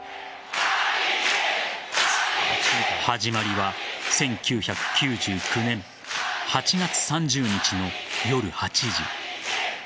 始まりは１９９９年８月３０日の夜８時。